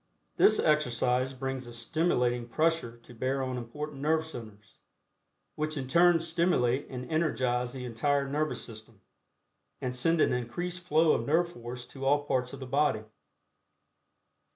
This exercise brings a stimulating pressure to bear on important nerve centers, which in turn stimulate and energize the entire nervous system, and send an increased flow of nerve force to all parts of the body.